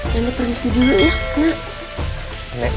nenek berdisi dulu ya nek